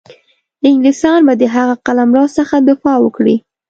انګلیسیان به د هغه قلمرو څخه دفاع وکړي.